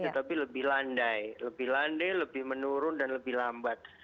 tetapi lebih landai lebih landai lebih menurun dan lebih lambat